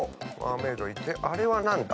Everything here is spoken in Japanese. あれは何だ？